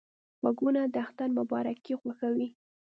غوږونه د اختر مبارکۍ خوښوي